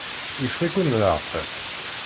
Yeffeɣ-iken leɛqel.